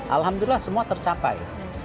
alhamdulillah semua tercapai